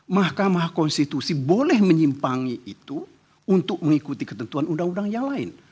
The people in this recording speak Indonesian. mahkamah konstitusi boleh menyimpangi itu untuk mengikuti ketentuan undang undang yang lain